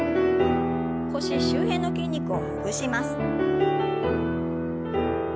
腰周辺の筋肉をほぐします。